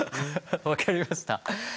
分かりました。